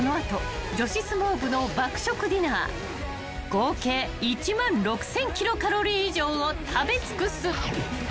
［合計１万６，０００キロカロリー以上を食べ尽くす］